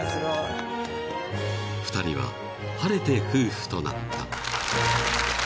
［２人は晴れて夫婦となった］